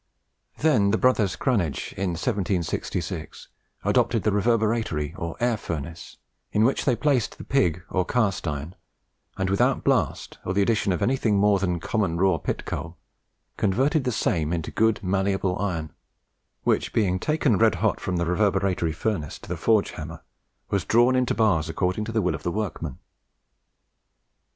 Then the brothers Cranege, in 1766, adopted the reverberatory or air furnace, in which they placed the pig or cast iron, and without blast or the addition of anything more than common raw pit coal, converted the same into good malleable iron, which being taken red hot from the reverberatory furnace to the forge hammer, was drawn into bars according to the will of the workman.